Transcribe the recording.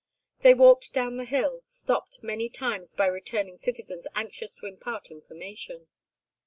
They walked down the hill, stopped many times by returning citizens anxious to impart information.